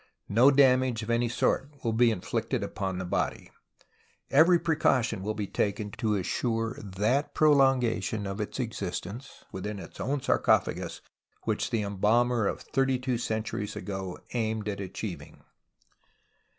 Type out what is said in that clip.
K^o damage of any sort will be inflicted upon the body ; but every precaution will be taken to assure that prolongation of its existence within its own sarcophagus which the embalmer of thirty two centuries ago aimed at achieving.